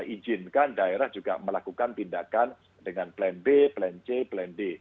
izinkan daerah juga melakukan tindakan dengan plan b plan c plan d